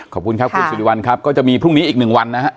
ขอบคุณครับคุณสิริวัลครับก็จะมีพรุ่งนี้อีกหนึ่งวันนะฮะ